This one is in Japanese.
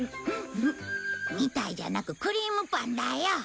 「みたい」じゃなくクリームパンだよ。